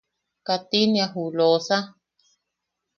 ¿Katinia ju Loosa?